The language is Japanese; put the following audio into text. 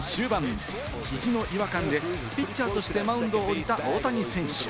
シーズン終盤、肘の違和感でピッチャーとしてマウンドを降りた大谷選手。